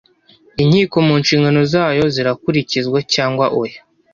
inkiko mu nshingano zayo zirakurikizwa cyangwa oya